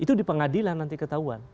itu di pengadilan nanti ketahuan